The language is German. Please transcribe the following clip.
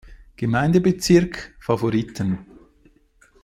Gemeindebezirk Favoriten.